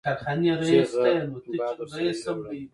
چيغه باد ورسره يو وړه.